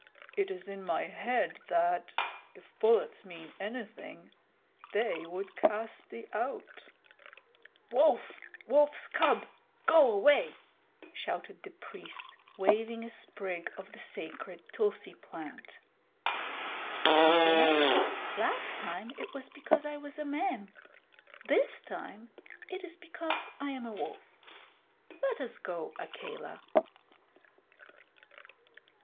"It is in my head that, if bullets mean anything, they would cast thee out." "Wolf! Wolf's cub! Go away!" shouted the priest, waving a sprig of the sacred tulsi plant. "Again? Last time it was because I was a man. This time it is because I am a wolf. Let us go, Akela."